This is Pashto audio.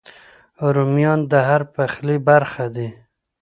رومیان د هر پخلي برخه دي